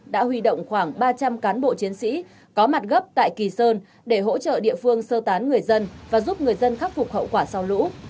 đã huy động khoảng ba trăm linh cán bộ chiến sĩ có mặt gấp tại kỳ sơn để hỗ trợ địa phương sơ tán người dân và giúp người dân khắc phục hậu quả sau lũ